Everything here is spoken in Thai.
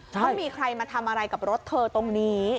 เขามีใครมาทำอะไรกับรถเธอตรงนี้